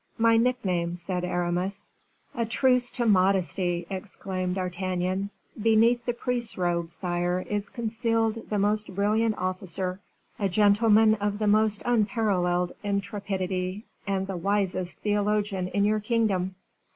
"My nickname," said Aramis. "A truce to modesty!" exclaimed D'Artagnan; "beneath the priest's robe, sire, is concealed the most brilliant officer, a gentleman of the most unparalleled intrepidity, and the wisest theologian in your kingdom."